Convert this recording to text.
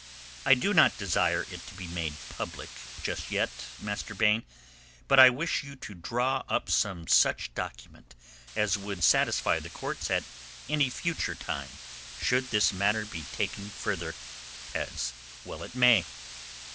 I do not desire it to be made public just yet, Master Baine; but I wish you to draw up some such document as would satisfy the courts at any future time should this matter be taken further, as well it may."